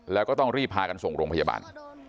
แล้วก็ต้องรีบพากันส่งโรงพยาบาล